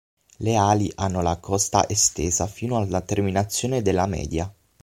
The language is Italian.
Le ali hanno la costa estesa fino alla terminazione della media.